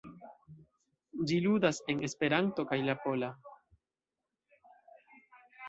Ĝi ludas en Esperanto kaj la pola.